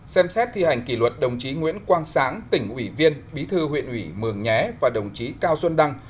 ba xem xét thi hành kỷ luật đồng chí nguyễn quang sáng tỉnh ủy viên bí thư huyện ủy mường nhé và đồng chí cao xuân đăng